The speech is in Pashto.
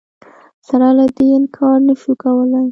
سره له دې انکار نه شو کولای